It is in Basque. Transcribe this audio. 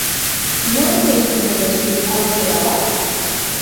Nork ez du merezi aukera bat?